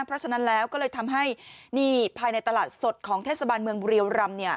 เพราะฉะนั้นแล้วก็เลยทำให้นี่ภายในตลาดสดของเทศบาลเมืองบุรียรำ